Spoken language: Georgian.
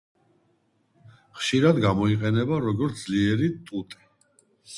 ხშირად გამოიყენება როგორც ძლიერი ტუტე.